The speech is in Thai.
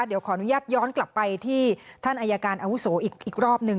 เดี๋ยวขออนุญาตย้อนกลับไปที่ท่านอายการอาวุโสอีกรอบหนึ่ง